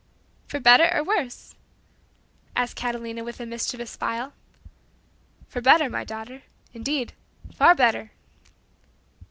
"For better or worse?" asked Catalina with a mischievous smile. "For better, my daughter. Indeed, far better!"